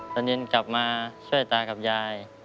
ตอนเย็นกลับมาช่วยตากับยาย